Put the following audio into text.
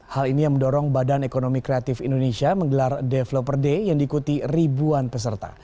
hal ini yang mendorong badan ekonomi kreatif indonesia menggelar developer day yang diikuti ribuan peserta